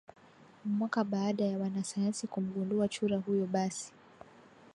mwake Baada ya wanasayansi kumgundua chura huyo basi